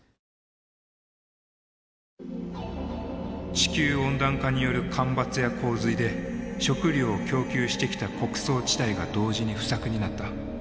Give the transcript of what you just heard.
地球温暖化による干ばつや洪水で食料を供給してきた穀倉地帯が同時に不作になった。